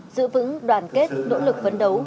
giữ vững đoàn kết nỗ lực vấn đấu